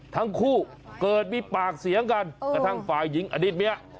ทั้งคู่เกิดมีปากเสียงกันกระทั่งฝ่ายหญิงอดีตเมีย